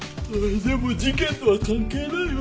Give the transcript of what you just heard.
でも事件とは関係ないよね。